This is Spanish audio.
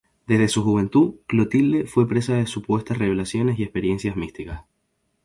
Desde su juventud, Clotilde fue presa de supuestas revelaciones y experiencias místicas.